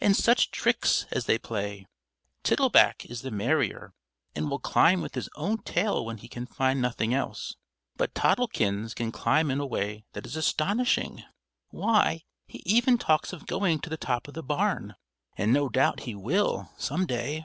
and such tricks as they play! Tittleback is the merrier, and will play with his own tail when he can find nothing else; but Toddlekins can climb in a way that is astonishing. Why, he even talks of going to the top of the barn, and no doubt he will, some day."